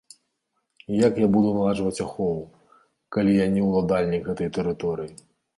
І як я буду наладжваць ахову, калі я не ўладальнік гэтай тэрыторыі.